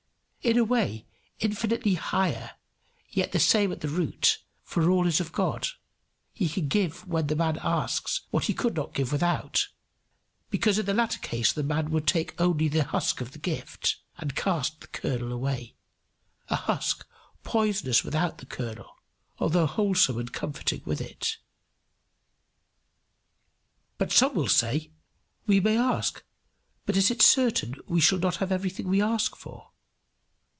In a way infinitely higher, yet the same at the root, for all is of God, He can give when the man asks what he could not give without, because in the latter case the man would take only the husk of the gift, and cast the kernel away a husk poisonous without the kernel, although wholesome and comforting with it. But some will say, "We may ask, but it is certain we shall not have everything we ask for."